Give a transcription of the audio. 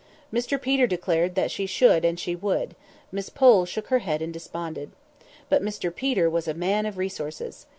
Mr Peter declared that she should and she would; Miss Pole shook her head and desponded. But Mr Peter was a man of resources.